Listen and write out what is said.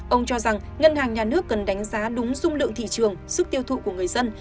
ông cho rằng ngân hàng nhà nước cần đánh giá đúng dung lượng thị trường sức tiêu thụ của người dân